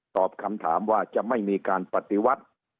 ตอบคำถามว่าจะไม่มีการปฏิวัติ